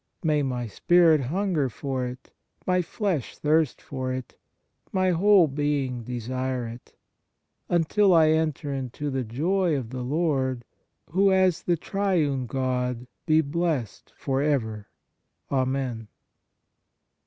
May my spirit hunger for it, my flesh thirst for it, my whole being desire it, until I enter into the joy of the Lord, who as the Triune God be blessed for ever." 1 Amen.